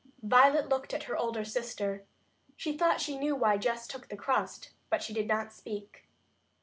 Violet looked at her older sister. She thought she knew why Jess took the crust, but she did not speak.